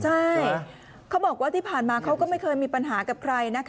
ใช่เขาบอกว่าที่ผ่านมาเขาก็ไม่เคยมีปัญหากับใครนะคะ